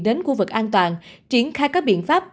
đến khu vực an toàn triển khai các biện pháp